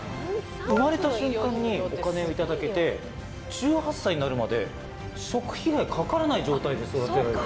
生まれた瞬間にお金を頂けて１８歳になるまで食費以外かからない状態で育てられる。